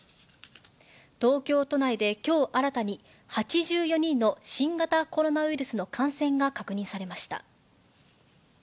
東京都内できょう新たに８４人の新型コロナウイルスの感染が確認されました。